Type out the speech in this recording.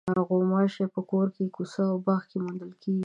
غوماشې په کور، کوڅه او باغ کې موندل کېږي.